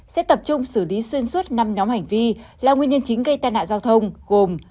sẽ tập trung xử lý xuyên suốt năm nhóm hành vi là nguyên nhân chính gây tai nạn giao thông gồm